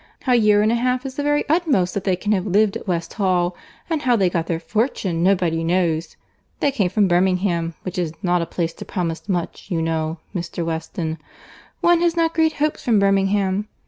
A year and a half is the very utmost that they can have lived at West Hall; and how they got their fortune nobody knows. They came from Birmingham, which is not a place to promise much, you know, Mr. Weston. One has not great hopes from Birmingham.